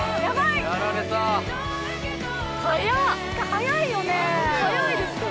早いよね。